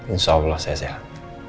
insya allah saya sehat